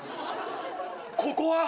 ここは？